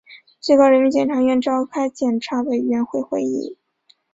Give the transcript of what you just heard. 最高人民检察院召开检察委员会会议